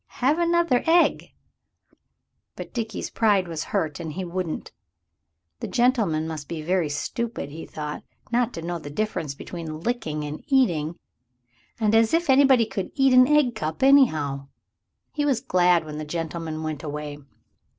Have another egg." But Dickie's pride was hurt, and he wouldn't. The gentleman must be very stupid, he thought, not to know the difference between licking and eating. And as if anybody could eat an egg cup, anyhow! He was glad when the gentleman went away.